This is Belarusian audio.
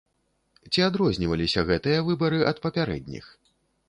Ці адрозніваліся гэтыя выбары ад папярэдніх?